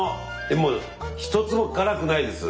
でも一つも辛くないです。